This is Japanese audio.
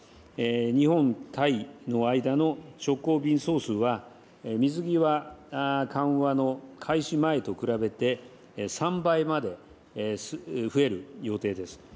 日本・タイの間の直行便総数は、水際緩和の開始前と比べて、３倍まで増える予定です。